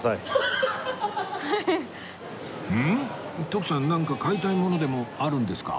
徳さんなんか買いたいものでもあるんですか？